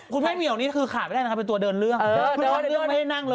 คุณแม่เหมียวคือขาดไม่ได้นะครับเป็นตัวเดินเรื่อง